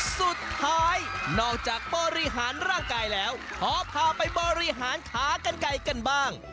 สุดท้ายนอกจากบริหารร่างกายแล้วขอพาไปบริหารขากันไก่กันบ้าง